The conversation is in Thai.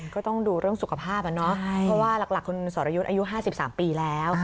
ก็ต้องดูเรื่องสุขภาพอะเนาะเพราะว่าหลักคุณสรยุทธ์อายุ๕๓ปีแล้ว